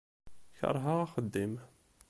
Keṛheɣ axeddim.